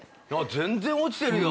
全然落ちてるよ！